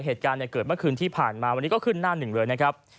เหตุการณ์เกิดเมื่อคืนที่ผ่านมาวันนี้ก็ขึ้นหน้าหนึ่งเลยนะครับ